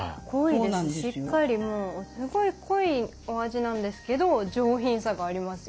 しっかりもうすごい濃いお味なんですけど上品さがありますよね。